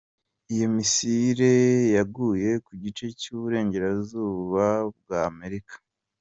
Iyo missile yaguye ku gice cy’ uburengerazuba bw’ Amerika.